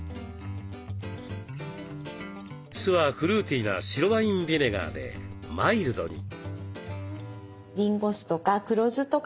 酢はフルーティーな白ワインビネガーでマイルドに。